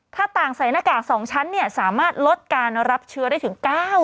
ถ้าต่างใส่หน้ากาก๒ชั้นสามารถลดการรับเชื้อได้ถึง๙